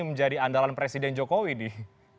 menjadi andalan presiden jokowi nih